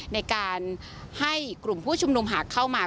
ในการให้กลุ่มผู้ชุมนุมหากเข้ามา